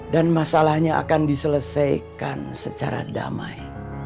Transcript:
dan masalahnya akan diselesaikan secara damai